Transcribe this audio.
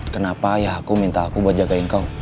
kenapa ayah aku minta aku buat jagain kau